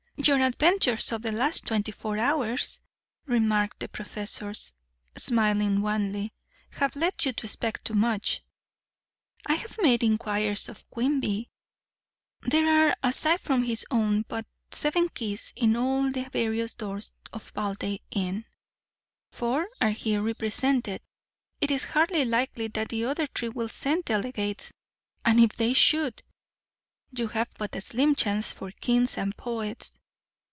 "Your adventures of the last twenty four hours," remarked the professor, smiling wanly, "have led you to expect too much. I have made inquiries of Quimby. There are, aside from his own, but seven keys in all to the various doors of Baldpate Inn. Four are here represented. It is hardly likely that the other three will send delegates, and if they should, you have but a slim chance for kings and poets.